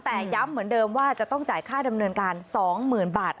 แต่ย้ำเหมือนเดิมว่าจะต้องจ่ายค่าดำเนินการ๒๐๐๐บาท